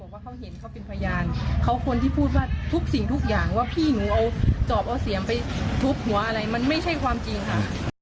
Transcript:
ว่าพี่หนูเอาจอบเอาเสียงไปทุบหัวอะไรมันไม่ใช่ความจริงค่ะ